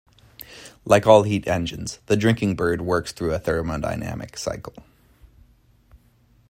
Like all heat engines, the drinking bird works through a thermodynamic cycle.